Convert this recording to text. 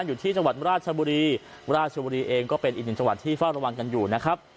อยู่ที่จังหวัดราชบุรีราชบุรีเองก็เป็นอีกหนึ่งจังหวัดที่เฝ้าระวังกันอยู่นะครับ